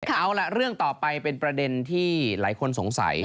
เอาล่ะเรื่องต่อไปเป็นประเด็นที่หลายคนสงสัย